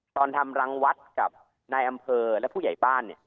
ตอนทำรังวัดกับนายอำเภอและผู้ใหญ่บ้าน